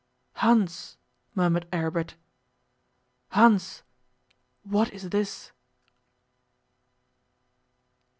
'Hans!' murmured Aribert. 'Hans! What is this?